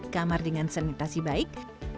kamar dengan sanitasi baik